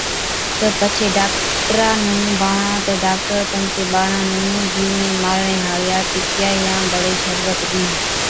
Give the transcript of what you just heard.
تہ پڇي ڊاڪٽرا نُون بانوَڻا تہ ڊاڪٽر تمچي ٻاڙا نُون جِيوڙين مارڻي هاڙِيا ٽِڪِيا يان بڙي شربت ڏِيهِي۔